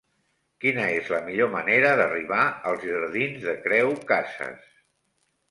Quina és la millor manera d'arribar als jardins de Creu Casas?